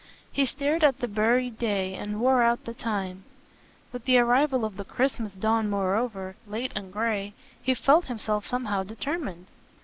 He stared at the buried day and wore out the time; with the arrival of the Christmas dawn moreover, late and grey, he felt himself somehow determined.